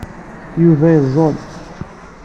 Yuba yeẓẓul.